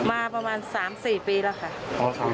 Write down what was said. มาประมาณ๓๔ปีแล้วค่ะ